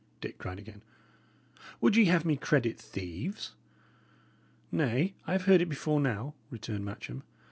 Dick cried again. "Would ye have me credit thieves?" "Nay, I have heard it before now," returned Matcham.